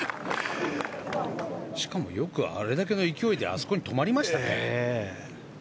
しかもよくあれだけの勢いであそこに止まりましたね。